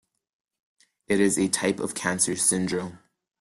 It is a type of cancer syndrome.